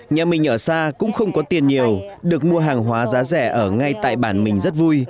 nhà mình ở xa cũng không có tiền nhiều được mua hàng hóa giá rẻ ở ngay tại bản mình rất vui